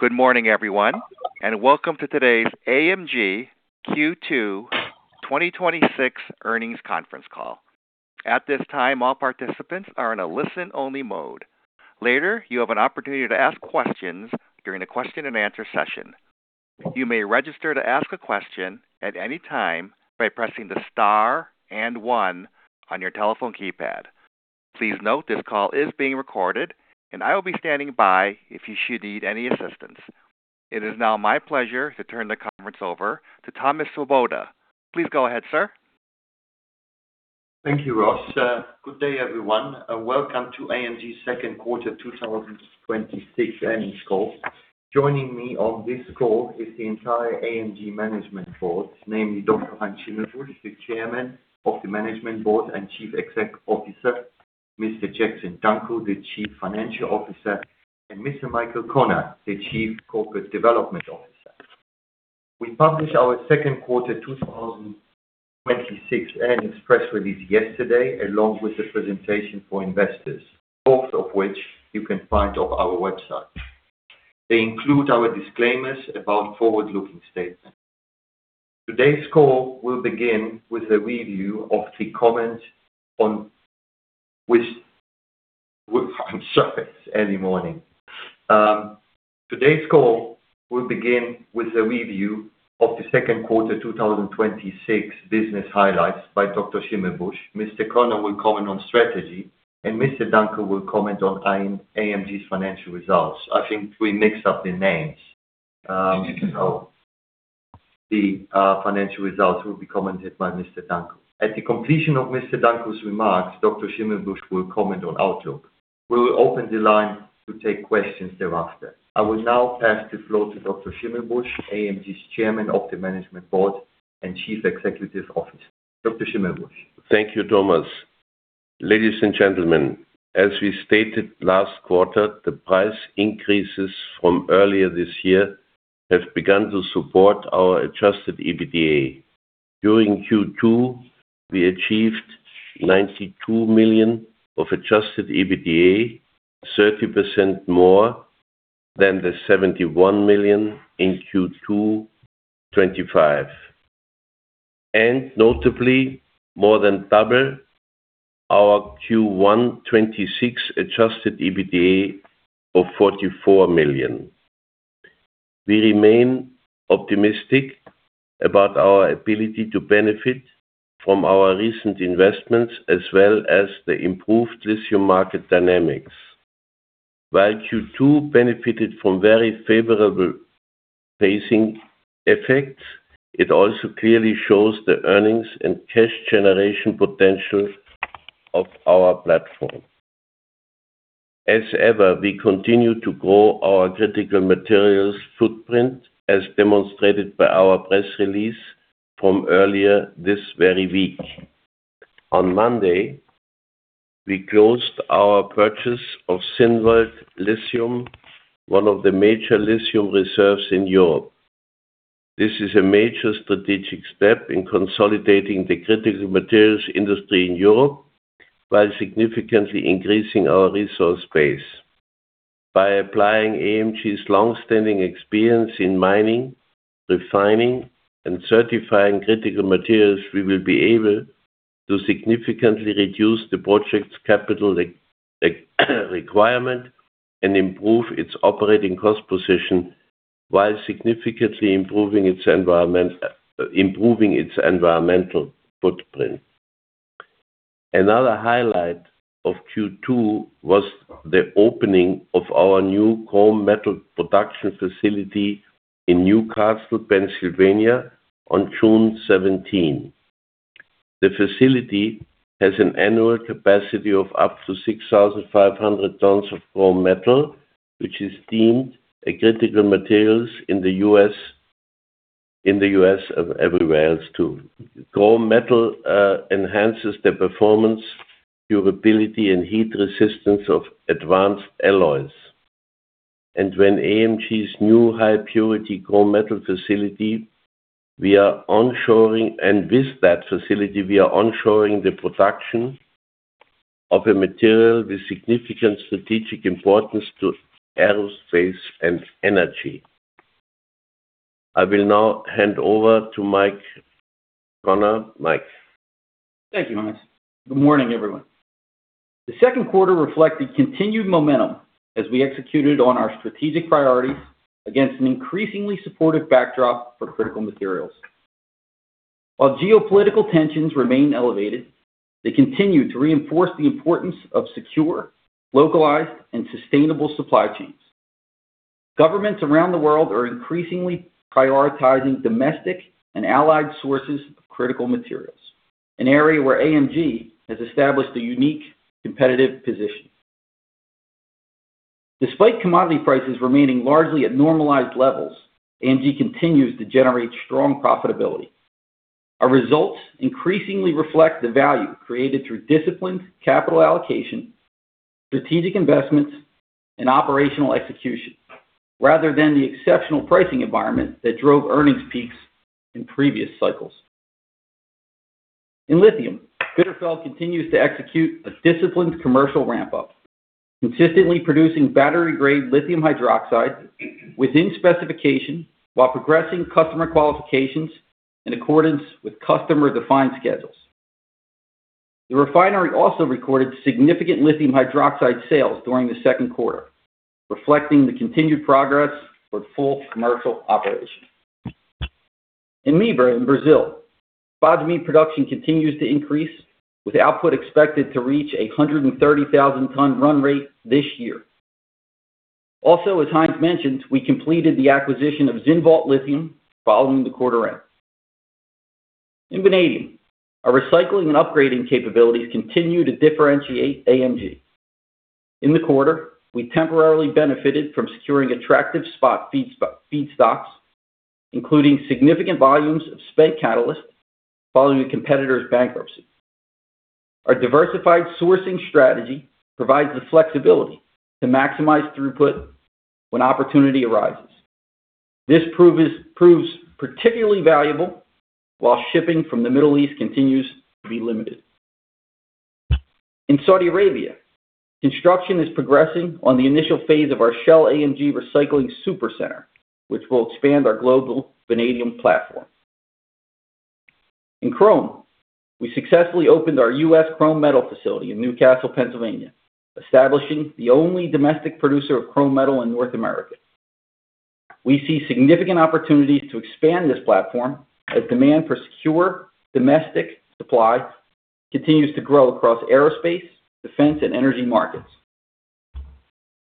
Good morning, everyone. Welcome to today's AMG Q2 2026 earnings conference call. At this time, all participants are in a listen-only mode. Later, you have an opportunity to ask questions during the question-and-answer session. You may register to ask a question at any time by pressing the star one on your telephone keypad. Please note this call is being recorded. I will be standing by if you should need any assistance. It is now my pleasure to turn the conference over to Thomas Swoboda. Please go ahead, sir. Thank you, Ross. Good day, everyone. Welcome to AMG's second quarter 2026 earnings call. Joining me on this call is the entire AMG management board, namely Dr. Heinz Schimmelbusch, the Chairman of the Management Board and Chief Executive Officer; Mr. Jackson Dunckel, the Chief Financial Officer; and Mr. Michael Connor, the Chief Corporate Development Officer. We published our second quarter 2026 earnings press release yesterday, along with the presentation for investors, both of which you can find on our website. They include our disclaimers about forward-looking statements. Today's call will begin with a review of the second quarter 2026 business highlights by Dr. Schimmelbusch. Mr. Connor will comment on strategy. Mr. Dunckel will comment on AMG's financial results. I think we mixed up the names. The financial results will be commented by Mr. Dunckel. At the completion of Mr. Dunckel's remarks, Dr. Schimmelbusch will comment on outlook. We will open the line to take questions thereafter. I will now pass the floor to Dr. Schimmelbusch, AMG's Chairman of the Management Board and Chief Executive Officer. Dr. Schimmelbusch. Thank you, Thomas. Ladies and gentlemen, as we stated last quarter, the price increases from earlier this year have begun to support our adjusted EBITDA. During Q2, we achieved $92 million of adjusted EBITDA, 30% more than the $71 million in Q2 2025, and notably more than double our Q1 2026 adjusted EBITDA of $44 million. We remain optimistic about our ability to benefit from our recent investments as well as the improved lithium market dynamics. While Q2 benefited from very favorable phasing effects, it also clearly shows the earnings and cash generation potential of our platform. As ever, we continue to grow our critical materials footprint as demonstrated by our press release from earlier this very week. On Monday, we closed our purchase of Zinnwald Lithium, one of the major lithium reserves in Europe. This is a major strategic step in consolidating the critical materials industry in Europe while significantly increasing our resource base. By applying AMG's longstanding experience in mining, refining, and certifying critical materials, we will be able to significantly reduce the project's capital requirement and improve its operating cost position while significantly improving its environmental footprint. Another highlight of Q2 was the opening of our new chrome metal production facility in New Castle, Pennsylvania on June 17. The facility has an annual capacity of up to 6,500 tonnes of chrome metal, which is deemed a critical material in the U.S. and everywhere else, too. Chrome metal enhances the performance, durability, and heat resistance of advanced alloys. With AMG's new high-purity chrome metal facility, we are onshoring the production of a material with significant strategic importance to aerospace and energy. I will now hand over to Mike Connor. Mike. Thank you, Heinz. Good morning, everyone. The second quarter reflected continued momentum as we executed on our strategic priorities against an increasingly supportive backdrop for critical materials. While geopolitical tensions remain elevated, they continue to reinforce the importance of secure, localized, and sustainable supply chains. Governments around the world are increasingly prioritizing domestic and allied sources of critical materials, an area where AMG has established a unique competitive position. Despite commodity prices remaining largely at normalized levels, AMG continues to generate strong profitability. Our results increasingly reflect the value created through disciplined capital allocation, strategic investments, and operational execution, rather than the exceptional pricing environment that drove earnings peaks in previous cycles. In lithium, Bitterfeld continues to execute a disciplined commercial ramp-up, consistently producing battery-grade lithium hydroxide within specification while progressing customer qualifications in accordance with customer-defined schedules. The refinery also recorded significant lithium hydroxide sales during the second quarter, reflecting the continued progress toward full commercial operation. In Mibra in Brazil, spodumene production continues to increase, with output expected to reach 130,000 tonnes run rate this year. Also, as Heinz mentioned, we completed the acquisition of Zinnwald Lithium following the quarter end. In vanadium, our recycling and upgrading capabilities continue to differentiate AMG. In the quarter, we temporarily benefited from securing attractive spot feedstocks, including significant volumes of spent catalyst following a competitor's bankruptcy. Our diversified sourcing strategy provides the flexibility to maximize throughput when opportunity arises. This proves particularly valuable while shipping from the Middle East continues to be limited. In Saudi Arabia, construction is progressing on the initial phase of our Shell & AMG Recycling Supercenter, which will expand our global vanadium platform. In chrome, we successfully opened our U.S. chrome metal facility in New Castle, Pennsylvania, establishing the only domestic producer of chrome metal in North America. We see significant opportunities to expand this platform as demand for secure domestic supply continues to grow across aerospace, defense, and energy markets.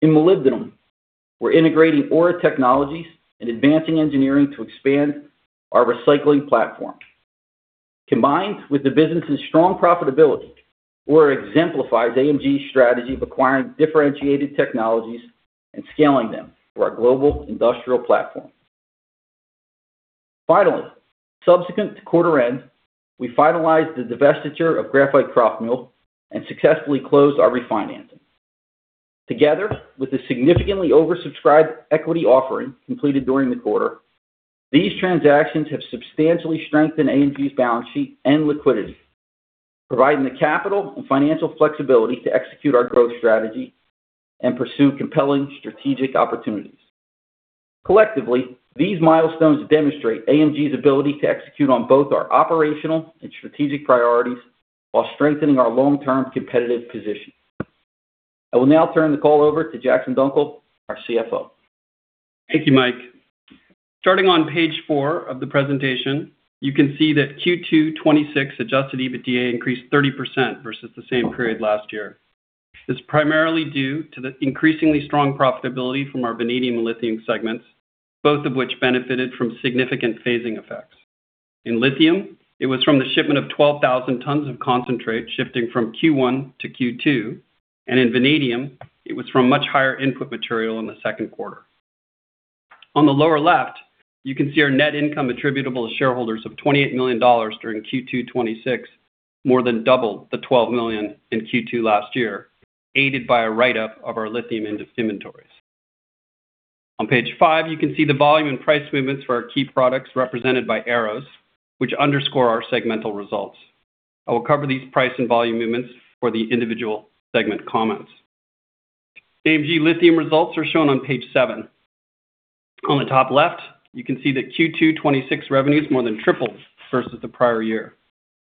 In molybdenum, we're integrating Aura Technologies and advancing engineering to expand our recycling platform. Combined with the business's strong profitability, Aura exemplifies AMG's strategy of acquiring differentiated technologies and scaling them for our global industrial platform. Finally, subsequent to quarter end, we finalized the divestiture of Graphit Kropfmühl and successfully closed our refinancing. Together with a significantly oversubscribed equity offering completed during the quarter, these transactions have substantially strengthened AMG's balance sheet and liquidity, providing the capital and financial flexibility to execute our growth strategy and pursue compelling strategic opportunities. Collectively, these milestones demonstrate AMG's ability to execute on both our operational and strategic priorities while strengthening our long-term competitive position. I will now turn the call over to Jackson Dunckel, our CFO. Thank you, Mike. Starting on page four of the presentation, you can see that Q2 2026 adjusted EBITDA increased 30% versus the same period last year. This is primarily due to the increasingly strong profitability from our vanadium and lithium segments, both of which benefited from significant phasing effects. In lithium, it was from the shipment of 12,000 tonnes of concentrate shifting from Q1 to Q2, and in vanadium, it was from much higher input material in the second quarter. On the lower left, you can see our net income attributable to shareholders of $28 million during Q2 2026, more than double the $12 million in Q2 last year, aided by a write-up of our lithium inventories. On page five, you can see the volume and price movements for our key products represented by arrows, which underscore our segmental results. I will cover these price and volume movements for the individual segment comments. AMG Lithium results are shown on page seven. On the top left, you can see that Q2 2026 revenues more than tripled versus the prior year.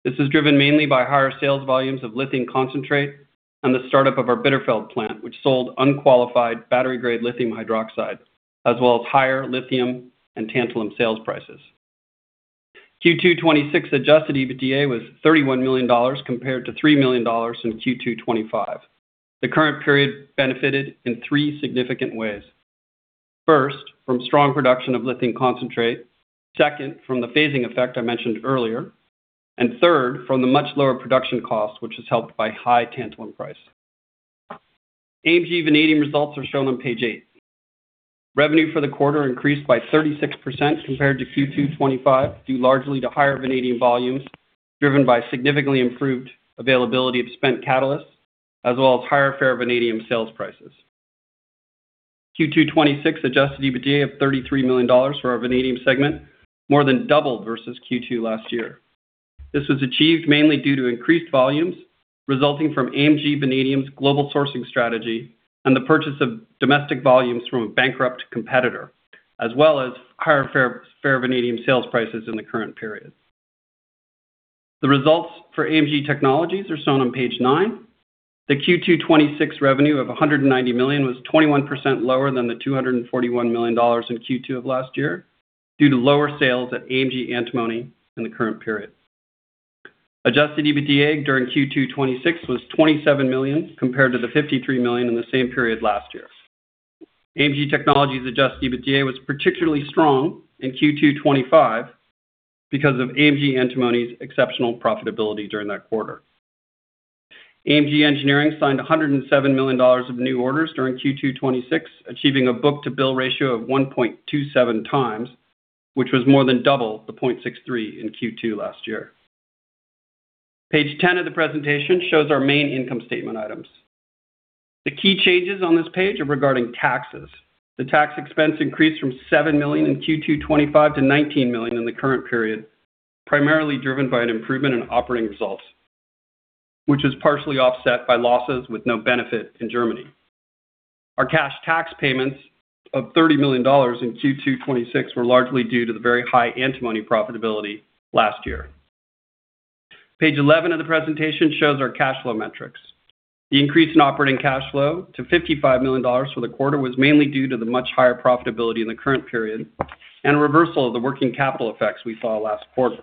This is driven mainly by higher sales volumes of lithium concentrate and the startup of our Bitterfeld plant, which sold unqualified battery-grade lithium hydroxide, as well as higher lithium and tantalum sales prices. Q2 2026 adjusted EBITDA was $31 million, compared to $3 million in Q2 2025. The current period benefited in three significant ways. First, from strong production of lithium concentrate, second, from the phasing effect I mentioned earlier, and third, from the much lower production cost, which is helped by high tantalum price. AMG Vanadium results are shown on page eight. Revenue for the quarter increased by 36% compared to Q2 2025, due largely to higher vanadium volumes, driven by significantly improved availability of spent catalysts, as well as higher ferrovanadium sales prices. Q2 2026 adjusted EBITDA of $33 million for our Vanadium segment more than doubled versus Q2 last year. This was achieved mainly due to increased volumes resulting from AMG Vanadium's global sourcing strategy and the purchase of domestic volumes from a bankrupt competitor, as well as higher ferrovanadium sales prices in the current period. The results for AMG Technologies are shown on page nine. The Q2 2026 revenue of $190 million was 21% lower than the $241 million in Q2 of last year due to lower sales at AMG Antimony in the current period. Adjusted EBITDA during Q2 2026 was $27 million, compared to the $53 million in the same period last year. AMG Technologies' adjusted EBITDA was particularly strong in Q2 2025 because of AMG Antimony's exceptional profitability during that quarter. AMG Engineering signed $107 million of new orders during Q2 2026, achieving a book-to-bill ratio of 1.27x, which was more than double the 0.63 in Q2 last year. Page 10 of the presentation shows our main income statement items. The key changes on this page are regarding taxes. The tax expense increased from $7 million in Q2 2025 to $19 million in the current period, primarily driven by an improvement in operating results, which was partially offset by losses with no benefit in Germany. Our cash tax payments of $30 million in Q2 2026 were largely due to the very high antimony profitability last year. Page 11 of the presentation shows our cash flow metrics. The increase in operating cash flow to $55 million for the quarter was mainly due to the much higher profitability in the current period and a reversal of the working capital effects we saw last quarter.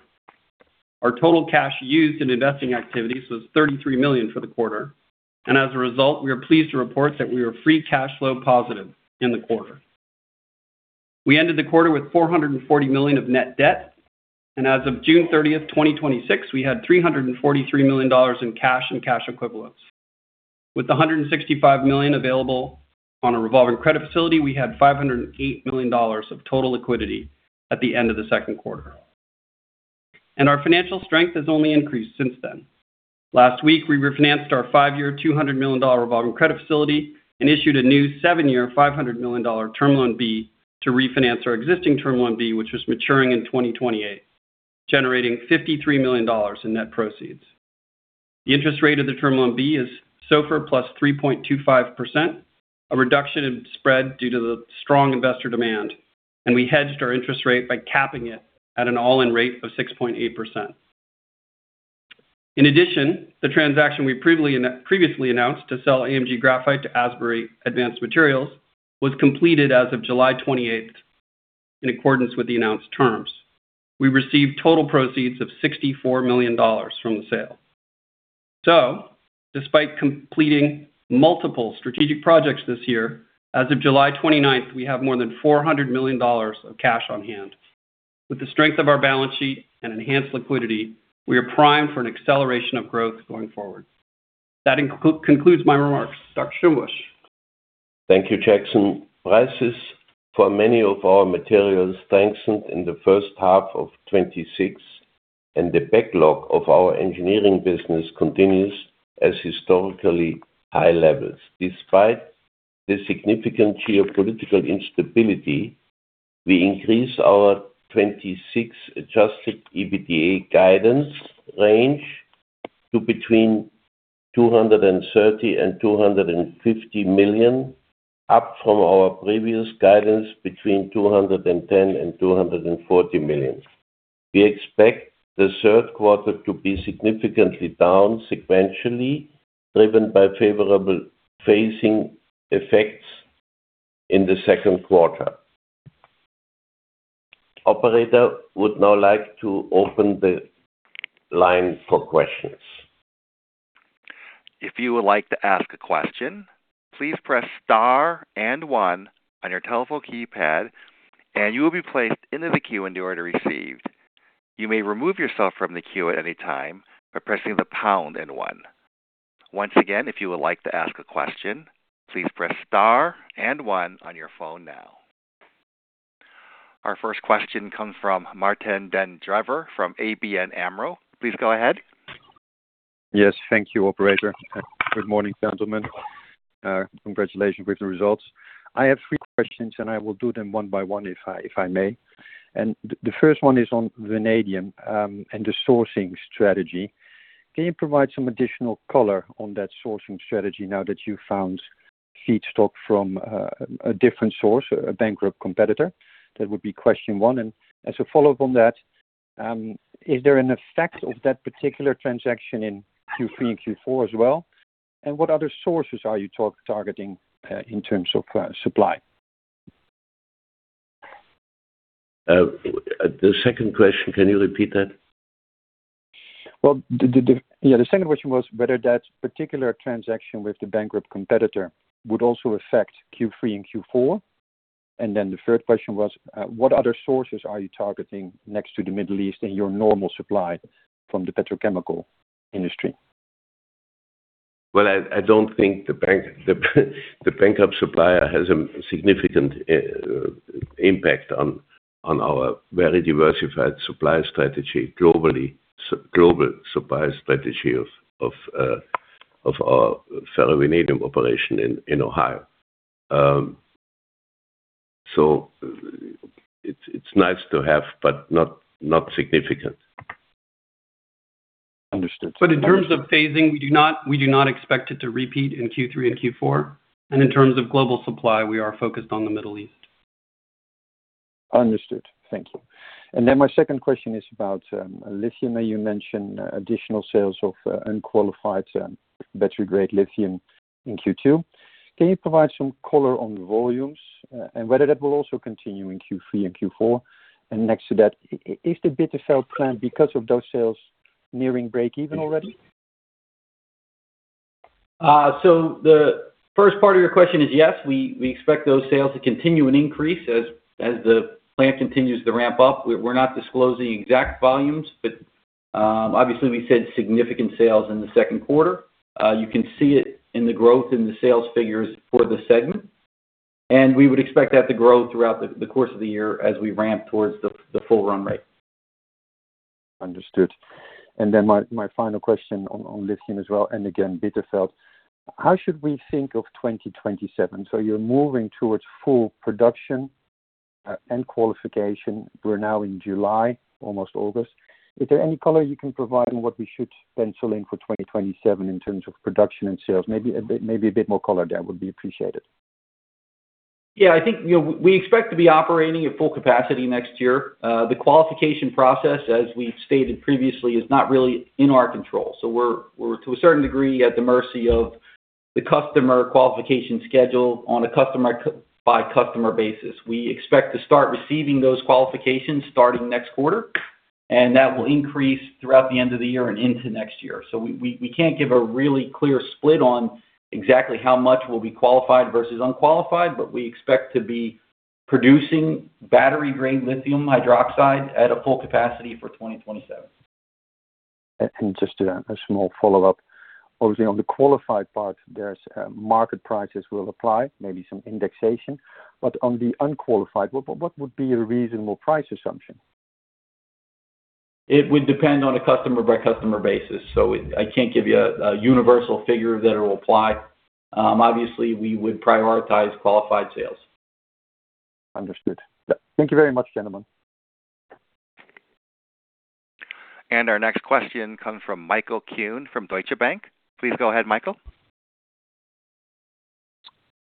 Our total cash used in investing activities was $33 million for the quarter, and as a result, we are pleased to report that we were free cash flow positive in the quarter. We ended the quarter with $440 million of net debt, and as of June 30th, 2026, we had $343 million in cash and cash equivalents. With the $165 million available on a revolving credit facility, we had $508 million of total liquidity at the end of the second quarter. Our financial strength has only increased since then. Last week, we refinanced our five-year, $200 million revolving credit facility and issued a new seven-year, $500 million Term Loan B to refinance our existing Term Loan B, which was maturing in 2028, generating $53 million in net proceeds. The interest rate of the Term Loan B is SOFR +3.25%, a reduction in spread due to the strong investor demand, and we hedged our interest rate by capping it at an all-in rate of 6.8%. In addition, the transaction we previously announced to sell AMG Graphite to Asbury Advanced Materials was completed as of July 28th, in accordance with the announced terms. We received total proceeds of $64 million from the sale. Despite completing multiple strategic projects this year, as of July 29th, we have more than $400 million of cash on hand. With the strength of our balance sheet and enhanced liquidity, we are primed for an acceleration of growth going forward. That concludes my remarks. Dr. Schimmelbusch. Thank you, Jackson. Prices for many of our materials strengthened in the first half of 2026, and the backlog of our engineering business continues at historically high levels. Despite the significant geopolitical instability, we increased our 2026 adjusted EBITDA guidance range to between $230 million and $250 million, up from our previous guidance between $210 million and $240 million. We expect the third quarter to be significantly down sequentially, driven by favorable phasing effects in the second quarter. Operator would now like to open the line for questions. If you would like to ask a question, please press star and one on your telephone keypad, and you will be placed into the queue in the order received. You may remove yourself from the queue at any time by pressing the pound and one. Once again, if you would like to ask a question, please press star and one on your phone now. Our first question comes from Martijn Den Drijver from ABN AMRO. Please go ahead. Yes, thank you, operator. Good morning, gentlemen. Congratulations with the results. I have three questions, I will do them one by one if I may. The first one is on vanadium, the sourcing strategy. Can you provide some additional color on that sourcing strategy now that you've found feedstock from a different source, a bankrupt competitor? That would be question one. As a follow-up on that, is there an effect of that particular transaction in Q3 and Q4 as well? What other sources are you targeting in terms of supply? The second question, can you repeat that? Well, the second question was whether that particular transaction with the bankrupt competitor would also affect Q3 and Q4. The third question was, what other sources are you targeting next to the Middle East and your normal supply from the petrochemical industry? Well, I don't think the bankrupt supplier has a significant impact on our very diversified supply strategy globally, global supply strategy of our ferrovanadium operation in Ohio. It's nice to have, but not significant. Understood. In terms of phasing, we do not expect it to repeat in Q3 and Q4. In terms of global supply, we are focused on the Middle East. Understood. Thank you. My second question is about lithium. You mentioned additional sales of unqualified battery-grade lithium in Q2. Can you provide some color on the volumes and whether that will also continue in Q3 and Q4? Next to that, is the Bitterfeld plant, because of those sales, nearing breakeven already? The first part of your question is, yes, we expect those sales to continue and increase as the plant continues to ramp up. We're not disclosing exact volumes, but obviously, we said significant sales in the second quarter. You can see it in the growth in the sales figures for the segment. We would expect that to grow throughout the course of the year as we ramp towards the full run rate. Understood. My final question on lithium as well, again, Bitterfeld, how should we think of 2027? You're moving towards full production and qualification. We're now in July, almost August. Is there any color you can provide on what we should pencil in for 2027 in terms of production and sales? Maybe a bit more color there would be appreciated. Yeah, I think we expect to be operating at full capacity next year. The qualification process, as we've stated previously, is not really in our control. We're, to a certain degree, at the mercy of the customer qualification schedule on a customer-by-customer basis. We expect to start receiving those qualifications starting next quarter, and that will increase throughout the end of the year and into next year. We can't give a really clear split on exactly how much will be qualified versus unqualified, but we expect to be producing battery-grade lithium hydroxide at a full capacity for 2027. Just a small follow-up. Obviously, on the qualified part, there's market prices will apply, maybe some indexation. On the unqualified, what would be a reasonable price assumption? It would depend on a customer-by-customer basis. I can't give you a universal figure that will apply. Obviously, we would prioritize qualified sales. Understood. Thank you very much, gentlemen. Our next question comes from Michael Kuhn from Deutsche Bank. Please go ahead, Michael.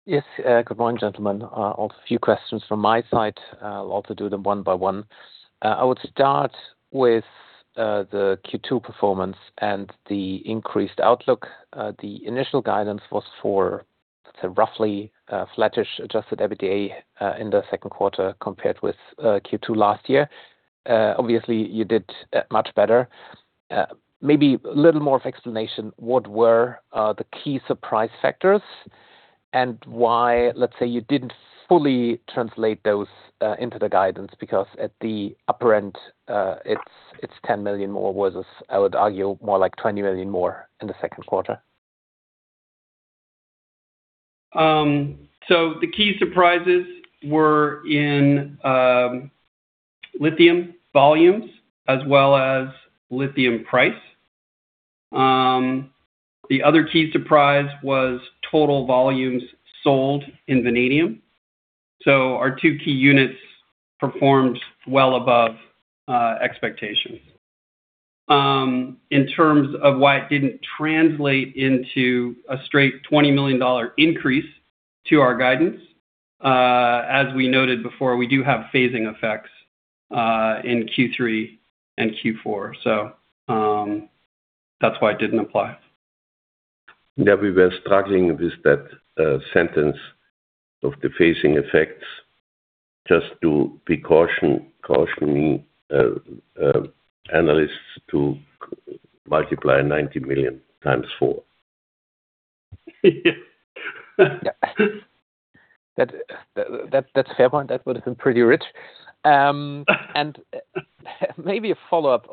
Yes. Good morning, gentlemen. A few questions from my side. I'll also do them one by one. I would start with the Q2 performance and the increased outlook. The initial guidance was for roughly flattish adjusted EBITDA in the second quarter compared with Q2 last year. Obviously, you did much better. Maybe a little more of explanation, what were the key surprise factors and why, let's say, you didn't fully translate those into the guidance? Because at the upper end, it's $10 million more versus, I would argue, more like $20 million more in the second quarter. The key surprises were in lithium volumes as well as lithium price. The other key surprise was total volumes sold in vanadium. Our two key units performed well above expectations. In terms of why it didn't translate into a straight $20 million increase to our guidance, as we noted before, we do have phasing effects in Q3 and Q4. That's why it didn't apply. Yeah, we were struggling with that sentence of the phasing effects. Just to caution analysts to multiply $90 million x 4. That's fair point. That would have been pretty rich. Maybe a follow-up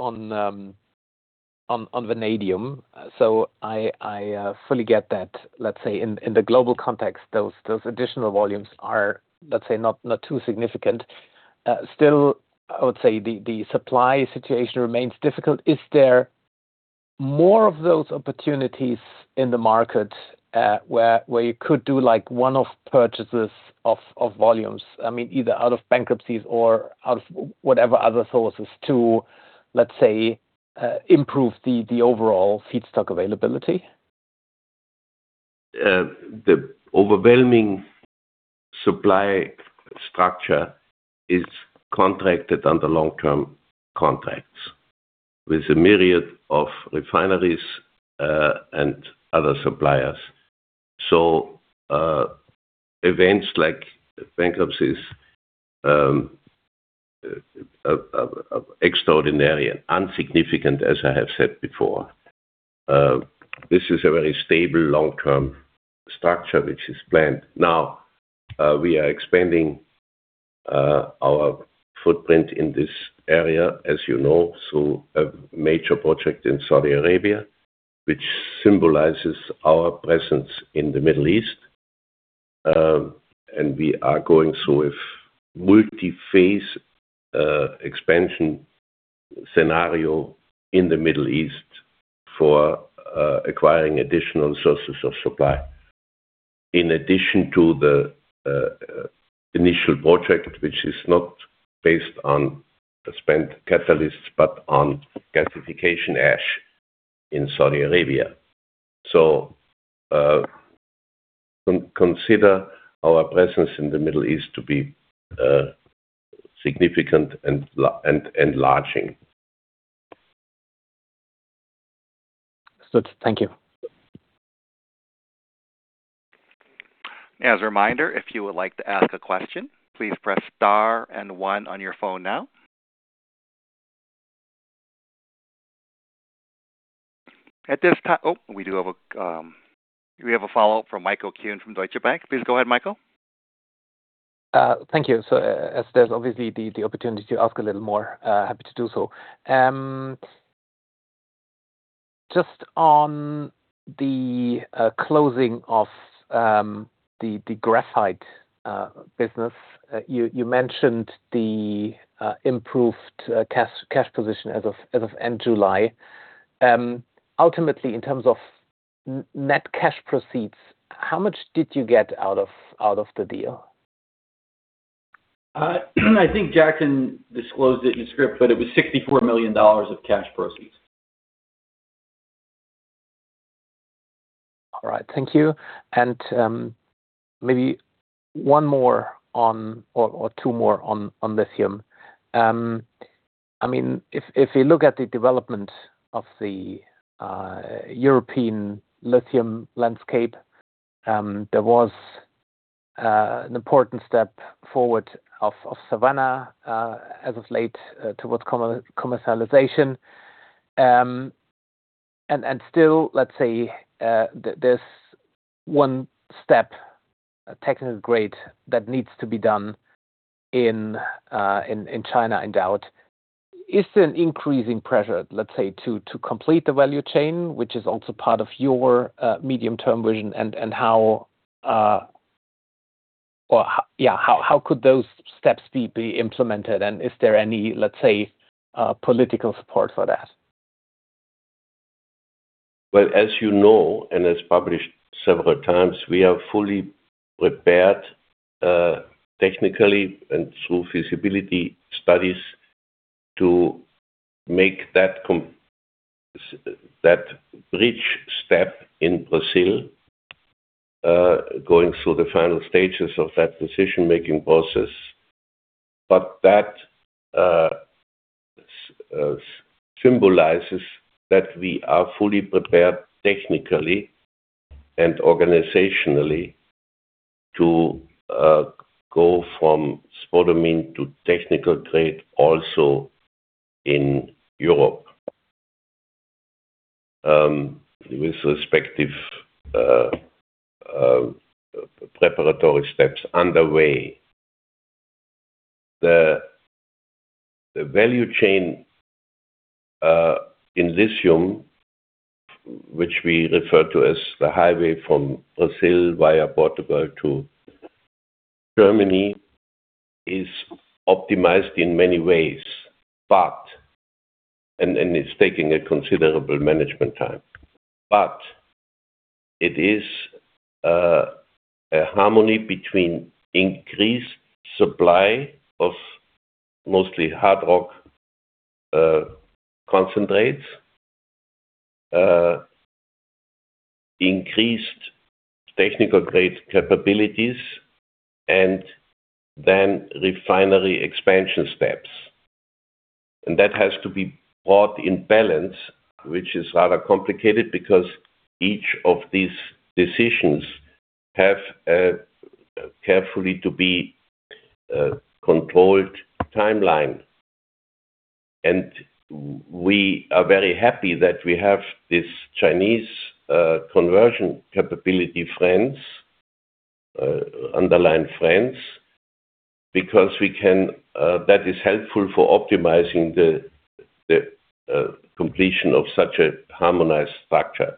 on vanadium. I fully get that, let's say, in the global context, those additional volumes are not too significant. Still, I would say the supply situation remains difficult. Is there more of those opportunities in the market where you could do one-off purchases of volumes, either out of bankruptcies or out of whatever other sources to, let's say, improve the overall feedstock availability? The overwhelming supply structure is contracted under long-term contracts with a myriad of refineries and other suppliers. Events like bankruptcies are extraordinary and insignificant, as I have said before. This is a very stable long-term structure which is planned. We are expanding our footprint in this area, as you know, a major project in Saudi Arabia, which symbolizes our presence in the Middle East, and we are going through a multi-phase expansion scenario in the Middle East for acquiring additional sources of supply. In addition to the initial project, which is not based on spent catalysts, but on gasification ash in Saudi Arabia. Consider our presence in the Middle East to be significant and enlarging. Good. Thank you. As a reminder, if you would like to ask a question, please press star and one on your phone now. We have a follow-up from Michael Kuhn from Deutsche Bank. Please go ahead, Michael. Thank you. As there's obviously the opportunity to ask a little more, happy to do so. Just on the closing of the graphite business, you mentioned the improved cash position as of end July. Ultimately, in terms of net cash proceeds, how much did you get out of the deal? I think Jack can disclose it in script, it was $64 million of cash proceeds. All right, thank you. Maybe one more or two more on lithium. If you look at the development of the European lithium landscape, there was an important step forward of Savannah as of late towards commercialization. Still, let's say, there's one step, technical grade, that needs to be done in China in doubt. Is there an increasing pressure, let's say, to complete the value chain, which is also part of your medium-term vision, how could those steps be implemented, and is there any, let's say, political support for that? As you know, as published several times, we are fully prepared technically and through feasibility studies to make that bridge step in Brazil, going through the final stages of that decision-making process. That symbolizes that we are fully prepared technically and organizationally to go from spodumene to technical grade also in Europe with respective preparatory steps underway. The value chain in lithium, which we refer to as the highway from Brazil via Portugal to Germany, is optimized in many ways, and it's taking a considerable management time. It is a harmony between increased supply of mostly hard rock concentrates, increased technical grade capabilities, and then refinery expansion steps. That has to be brought in balance, which is rather complicated because each of these decisions have carefully to be controlled timeline. We are very happy that we have this Chinese conversion capability friends, underline friends, because that is helpful for optimizing the completion of such a harmonized structure.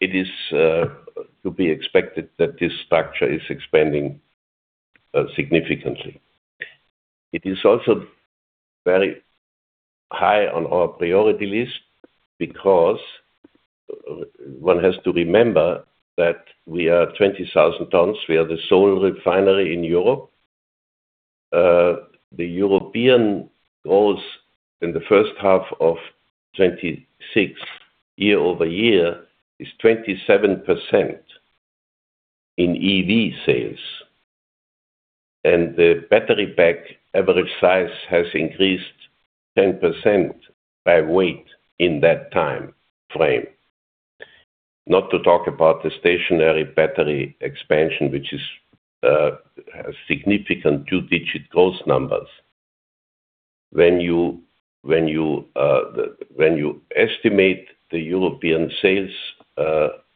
This is to be expected that this structure is expanding significantly. This is also very high on our priority list because one has to remember that we are 20,000 tonnes. We are the sole refinery in Europe. The European growth in the first half of 2026 year-over-year is 27% in EV sales, and the battery pack average size has increased 10% by weight in that timeframe. Not to talk about the stationary battery expansion, which is significant two-digit growth numbers. When you estimate the European sales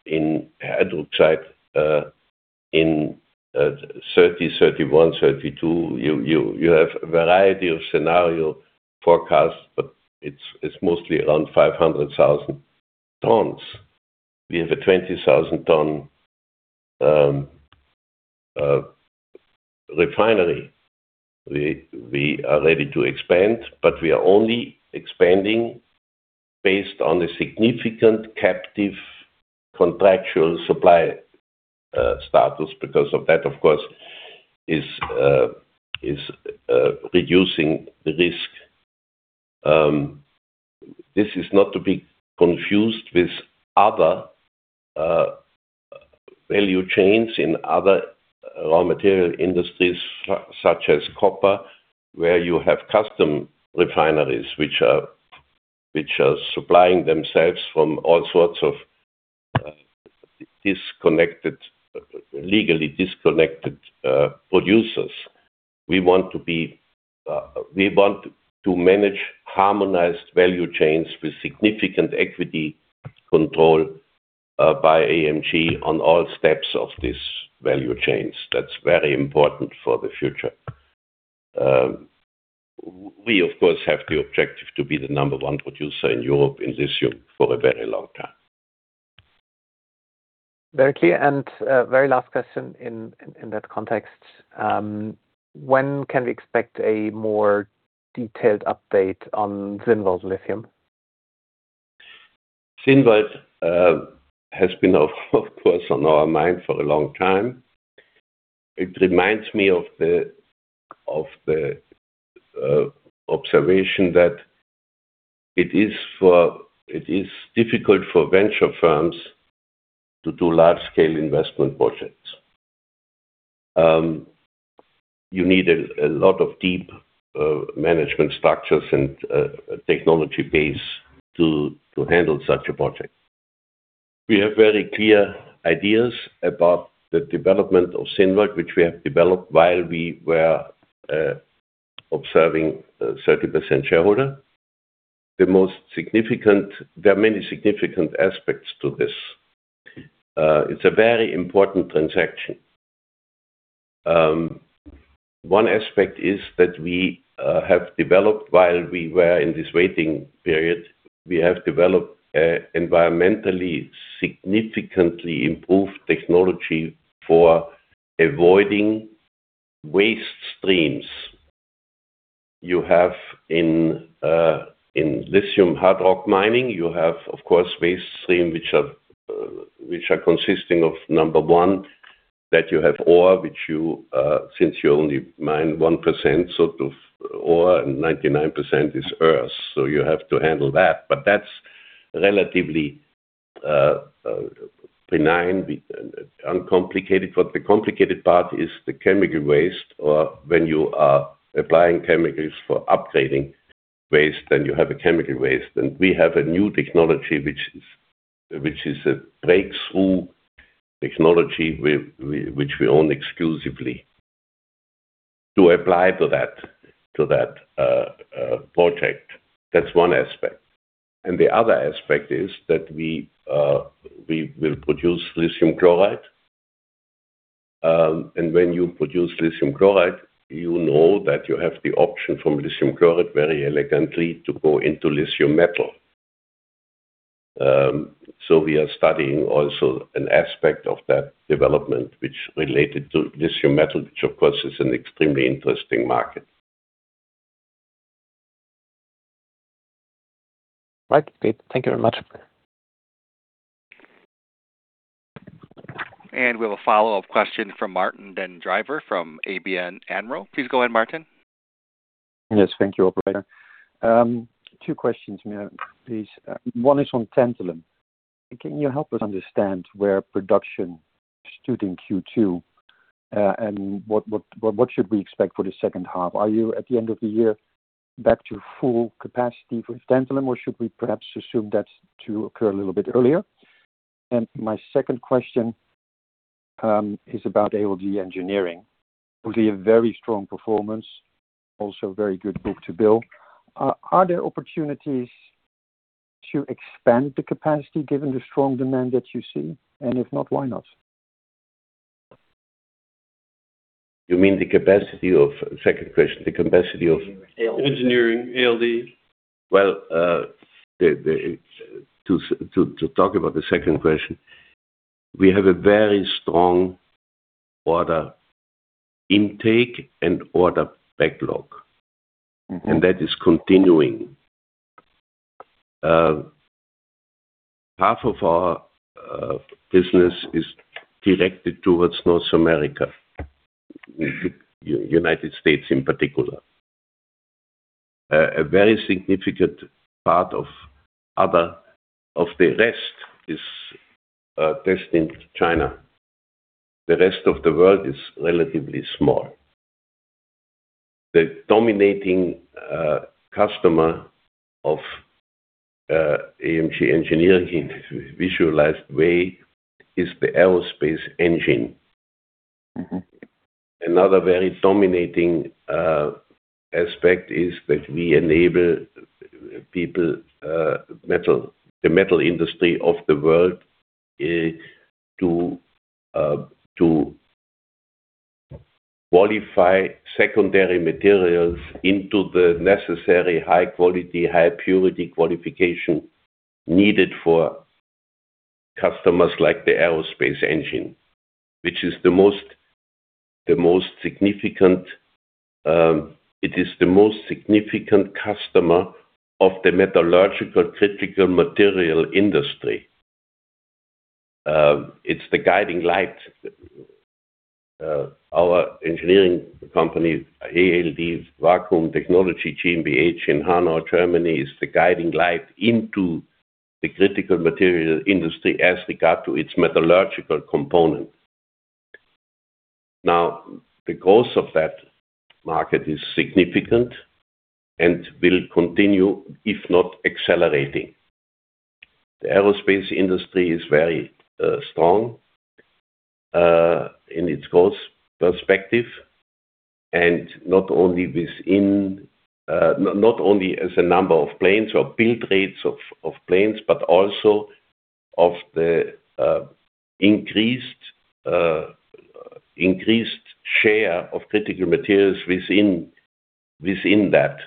in total type in 2030, 2031, 2032, you have a variety of scenario forecasts, but it's mostly around 500,000 tonnes. We have a 20,000-tonne refinery we are ready to expand, we are only expanding based on the significant captive contractual supply status because of that, of course, is reducing the risk. This is not to be confused with other value chains in other raw material industries, such as copper, where you have custom refineries, which are supplying themselves from all sorts of legally disconnected producers. We want to manage harmonized value chains with significant equity control by AMG on all steps of these value chains. That's very important for the future. We, of course, have the objective to be the number one producer in Europe in lithium for a very long time. Very clear. Very last question in that context, when can we expect a more detailed update on Zinnwald Lithium? Zinnwald has been, of course, on our mind for a long time. It reminds me of the observation that it is difficult for venture firms to do large-scale investment projects. You need a lot of deep management structures and technology base to handle such a project. We have very clear ideas about the development of Zinnwald, which we have developed while we were observing 30% shareholder. There are many significant aspects to this. It's a very important transaction. One aspect is that we have developed while we were in this waiting period, we have developed environmentally significantly improved technology for avoiding waste streams. In lithium hard rock mining, you have, of course, waste stream, which are consisting of number one, that you have ore, which since you only mine 1%, so ore and 99% is earth, so you have to handle that, but that's relatively benign, uncomplicated. The complicated part is the chemical waste, or when you are applying chemicals for upgrading waste, then you have a chemical waste. We have a new technology, which is a breakthrough technology, which we own exclusively to apply to that project. That's one aspect. The other aspect is that we will produce lithium chloride. When you produce lithium chloride, you know that you have the option from lithium chloride very elegantly to go into lithium metal. We are studying also an aspect of that development, which related to lithium metal, which, of course, is an extremely interesting market. Right. Great. Thank you very much. We have a follow-up question from Martijn Den Drijver from ABN AMRO. Please go ahead, Martijn. Yes, thank you, operator. Two questions, please. One is on tantalum. Can you help us understand where production stood in Q2? What should we expect for the second half? Are you at the end of the year back to full capacity for tantalum, or should we perhaps assume that to occur a little bit earlier? My second question is about ALD Engineering. Obviously, a very strong performance, also very good book-to-bill. Are there opportunities to expand the capacity given the strong demand that you see? If not, why not? You mean the capacity of, second question? Engineering, ALD. Well, to talk about the second question, we have a very strong order intake and order backlog. That is continuing. Half of our business is directed towards North America, U.S. in particular. A very significant part of the rest is based in China. The rest of the world is relatively small. The dominating customer of AMG Engineering in a visualized way is the aerospace engine. Another very dominating aspect is that we enable the metal industry of the world to qualify secondary materials into the necessary high quality, high purity qualification needed for customers like the aerospace engine, which is the most significant customer of the metallurgical critical material industry. It's the guiding light. Our engineering company, ALD Vacuum Technologies GmbH in Hanau, Germany, is the guiding light into the critical material industry as regard to its metallurgical component. The growth of that market is significant and will continue if not accelerating. The aerospace industry is very strong in its growth perspective, not only as a number of planes or build rates of planes, but also of the increased share of critical materials within that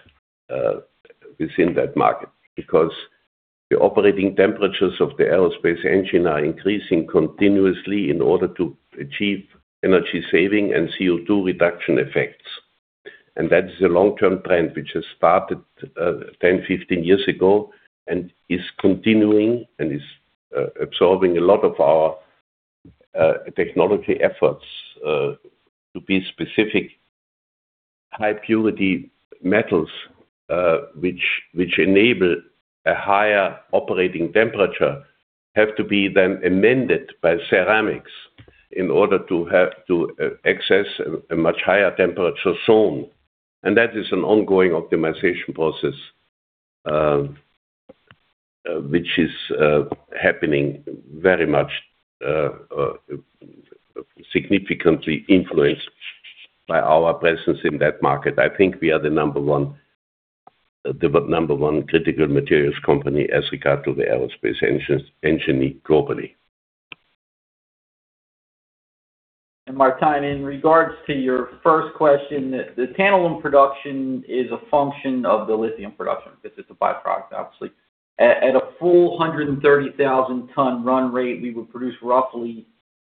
market. Because the operating temperatures of the aerospace engine are increasing continuously in order to achieve energy saving and CO2 reduction effects. That is a long-term trend, which has started 10-15 years ago and is continuing and is absorbing a lot of our technology efforts. To be specific, high purity metals, which enable a higher operating temperature, have to be then amended by ceramics in order to access a much higher temperature zone. That is an ongoing optimization process, which is happening very much, significantly influenced by our presence in that market. I think we are the number one critical materials company as regard to the aerospace engine globally. Martijn, in regards to your first question, the tantalum production is a function of the lithium production because it's a byproduct, obviously. At a full 130,000 tonne run rate, we would produce roughly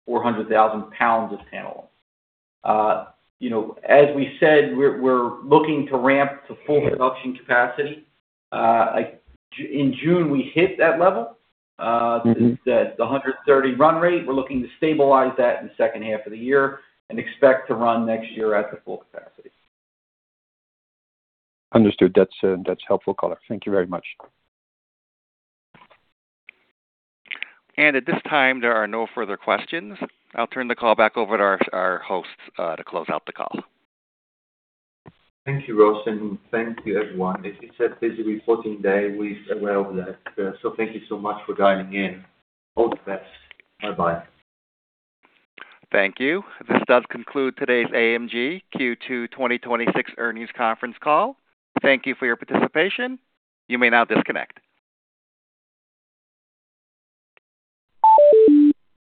400,000 pounds of tantalum. As we said, we're looking to ramp to full production capacity. In June, we hit that level. The 130,000 tonne run rate, we're looking to stabilize that in the second half of the year and expect to run next year at the full capacity. Understood. That's helpful color. Thank you very much. At this time, there are no further questions. I'll turn the call back over to our hosts to close out the call. Thank you, Ross, and thank you, everyone. It is a busy reporting day. We're aware of that. Thank you so much for dialing in. All the best. Bye-bye. Thank you. This does conclude today's AMG Q2 2026 earnings conference call. Thank you for your participation. You may now disconnect.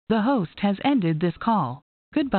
The host has ended this call. Goodbye.